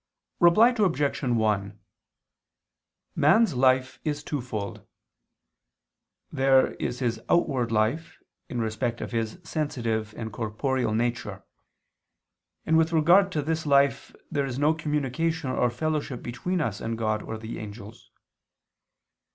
Reply Obj. 1: Man's life is twofold. There is his outward life in respect of his sensitive and corporeal nature: and with regard to this life there is no communication or fellowship between us and God or the angels.